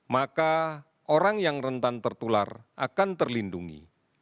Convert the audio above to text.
maka orang yang rentan tertular akan terlindungi